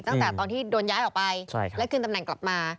ตั้งแต่ตอนที่โดนย้ายออกไปและคืนตำแหน่งกลับมา